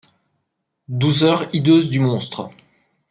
Douceur hideuse du monstre.